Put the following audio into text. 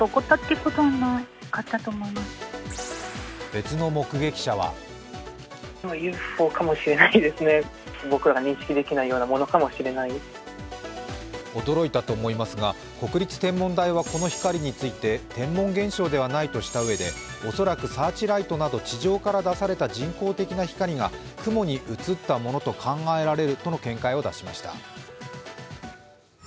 別の目撃者は驚いたと思いますが、国立天文台はこの光について、天文現象ではないとしたうえで恐らくサーチライトなど地上から出された人工的な光が雲に映ったものと考えられるとの見解を出しました。